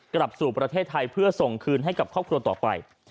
กลับสู่ประเทศไทยเพื่อส่งคืนให้กับครอบครัวต่อไป